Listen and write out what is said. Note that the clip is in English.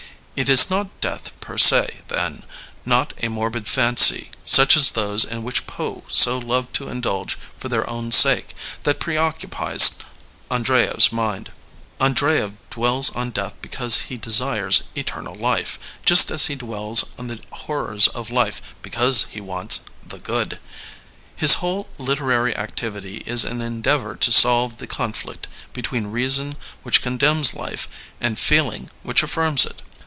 It is not death per se then, not a morbid fancy, such as those in which Poe so loved to indulge for their own sake, that preoccupies An dreyev's mind. Andreyev dwells on death because he desires eternal life," just as he dwells on the horrors of life because he wants the good" His whole literary activity is an endeavor to solve the conflict between reason which condemns life and feeling which affirms it.